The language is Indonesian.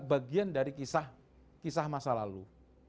bagian dari kisah masa lalu